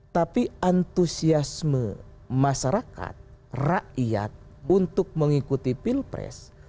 tapi antusiasme masyarakat rakyat untuk mengikuti pilpres